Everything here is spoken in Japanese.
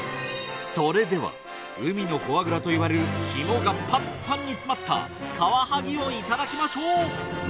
それでは海のフォアグラといわれる肝がパンパンに詰まったカワハギをいただきましょう！